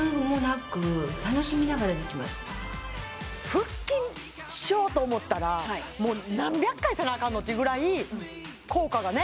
腹筋しようと思ったらもう何百回せなあかんの？っていうぐらい効果がね